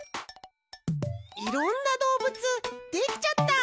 いろんなどうぶつできちゃった！